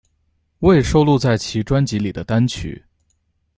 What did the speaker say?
未收录在其专辑里的单曲